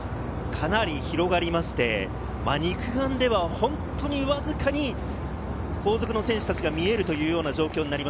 かなり広がりまして、肉眼では本当にわずかに後続の選手たちが見えるというような状況です。